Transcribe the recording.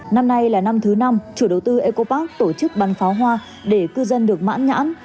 năm nay là năm thứ năm chủ đầu tư eco park tổ chức bắn pháo hoa để cư dân được mãn nhãn